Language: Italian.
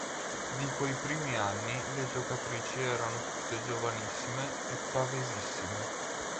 Di quei primi anni le giocatrici erano tutte giovanissime e pavesissime.